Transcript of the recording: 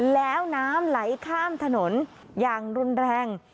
แล้วน้ำไหลข้ามถนนอย่างรุนแรง